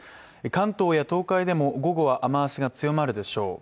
関東や東海でも午後は雨足が強まるでしょう。